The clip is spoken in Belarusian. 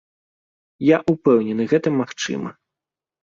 Я ўпэўнены, гэта магчыма.